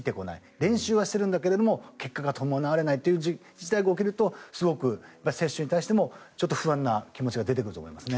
練習はしてるんだけど結果が伴われないという事態が起きるとすごく選手に対しても不安な気持ちが出てくると思いますね。